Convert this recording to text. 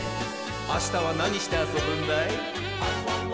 あしたはなにしてあそぶんだい？